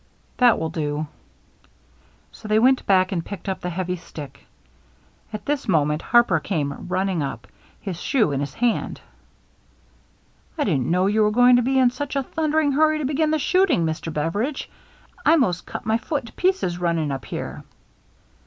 "That will do." So they went back and picked up the heavy stick. At this moment Harper came run ning up, his shoe in his hand. " I didn't know you was going to be in such a thunder ing hurry to begin the shooting, Mr. Beveridge. I 'most cut my foot to pieces running up here."